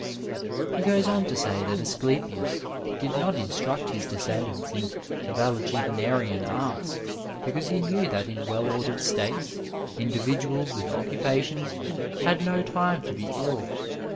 He goes on to say that Aflclepius did not instruct his descendants in valetudinarian arts because he knew that in well ordered states individuals with occupations had no time to be ill.